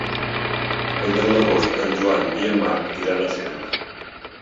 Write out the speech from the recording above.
El deu d'agost en Joan i en Marc iran al cinema.